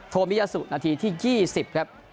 โมยาสุนาทีที่๒๐ครับ